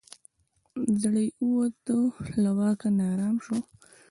زړه یې ووتی له واکه نا آرام سو